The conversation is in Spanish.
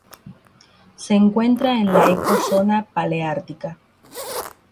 Se encuentra en la ecozona paleártica.